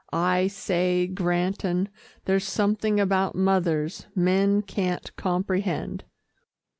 I say, Granton there's something about mothers, men can't comprehend."